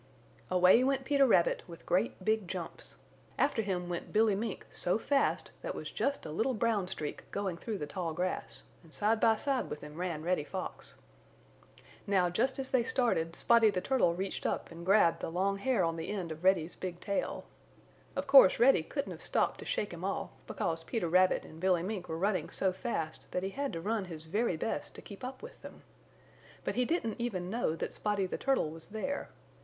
Away went Peter Rabbit with great big jumps. After him went Billy Mink so fast that was just a little brown streak going through the tall grass, and side by side with him ran Reddy Fox. Now just as they started Spotty the Turtle reached up and grabbed the long hair on the end of Reddy's big tail. Of course Reddy couldn't have stopped to shake him off, because Peter Rabbit and Billy Mink were running so fast that he had to run his very best to keep up with them. But he didn't even know that Spotty the Turtle was there.